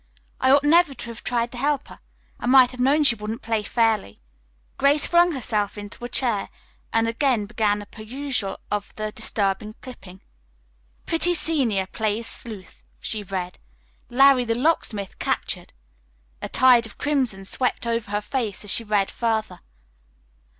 I ought never to have tried to help her. I might have known she wouldn't play fairly." Grace flung herself into a chair and again began a perusal of the disturbing clipping. "Pretty Senior Plays Sleuth," she read. "Larry, the Locksmith, Captured." A tide of crimson swept over her face as she read further.